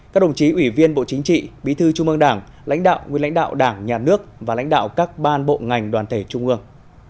các đồng chí ủy viên bộ chính trị bí thư trung ương đảng lãnh đạo nguyên lãnh đạo đảng nhà nước và lãnh đạo các ban bộ ngành đoàn thể trung ương